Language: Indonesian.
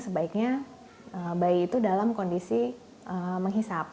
sebaiknya bayi itu dalam kondisi menghisap